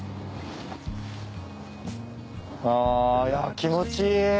いや気持ちいい。